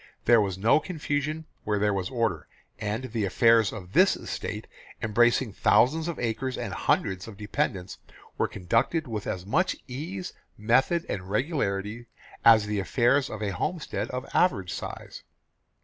There was no confusion where there was order, and the affairs of this estate, embracing thousands of acres and hundreds of dependents, were conducted with as much ease, method and regularity as the affairs of a homestead of average size.